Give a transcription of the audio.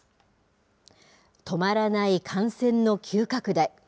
止まらない感染の急拡大。